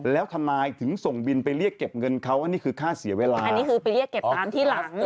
แล้วทนายถึงส่งบิลไปเรียกเก็บเงินเขาอันนี้คือค่าเสียเวลาแล้วทนายถึงส่งบิลไปเรียกเก็บเงินเขาอันนี้คือค่าเสียเวลา